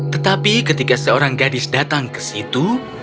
tetapi ketika seorang gadis datang ke situ